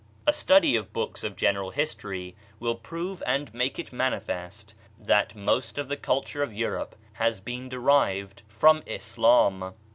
A smdy of books of general history will prove and make it manifest that most of the culmre of Europe has been derived from Islam.